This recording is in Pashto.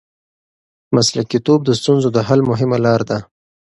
مسلکیتوب د ستونزو د حل مهمه لار ده.